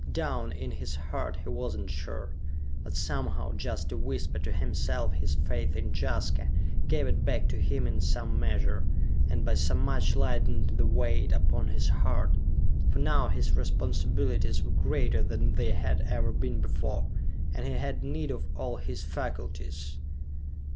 Down in his heart he was not sure. But somehow, just to whisper to himself his faith in Jaska, gave it back to him in some measure, and by so much lightened the weight upon his heart. For now his responsibilities were greater than they had ever been before, and he had need of all his faculties.